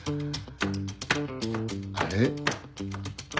あれ？